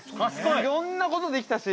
いろんなことできたし。